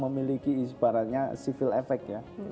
memiliki isbaratnya civil efek ya